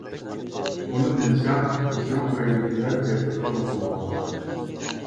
ئۇنى بىلسەڭ بىزنىڭ ئۆيدىكىلەر بېقىپ چوڭ قىلغان.